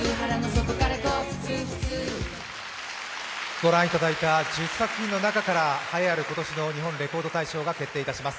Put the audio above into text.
ご覧いただいた１０作品の中から栄えある今年の日本レコード大賞が決定いたします。